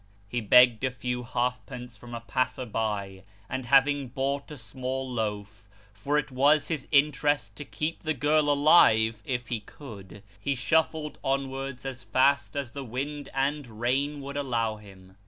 He begged a few halfpence from a passer by, and having bought a small loaf (for it was his interest to keep the girl alive, if he could), he shuffled onwards as fast as the wind and rain would let him.